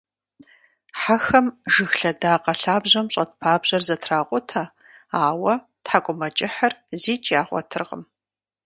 Хьэхэм жыг лъэдакъэ лъабжьэм щӀэт пабжьэр зэтракъутэ, ауэ тхьэкӀумэкӀыхьыр зикӀ ягъуэтыркъым.